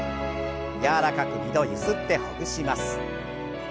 柔らかく２度ゆすってほぐします。